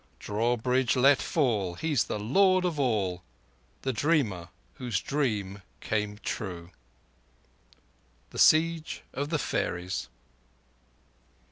Drawbridge let fall—He's the Lord of us all— The Dreamer whose dream came true! _The Siege of the Fairies.